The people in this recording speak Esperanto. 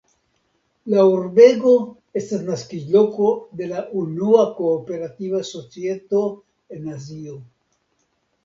La urbego estas naskiĝloko de la unua kooperativa societo en Azio.